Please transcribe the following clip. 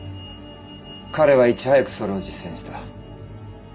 彼はいち早くそれを実践した。